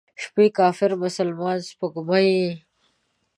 شپې کافرې، مسلمانه سپوږمۍ،